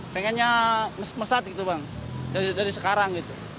pengennya mesat gitu bang dari sekarang gitu